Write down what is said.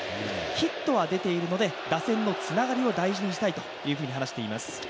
ヒットは出ているので、打線のつながりを大事にしたいと話しています。